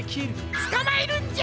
つかまえるんじゃ！